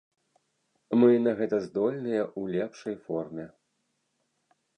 Мы на гэта здольныя ў лепшай форме.